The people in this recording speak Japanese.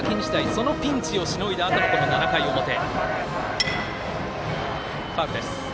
そのピンチをしのいだあとのこの７回表。